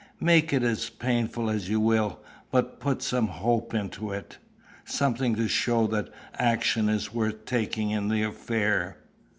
Make it as painful as you will, but put some hope into it something to show that action is worth taking in the affair.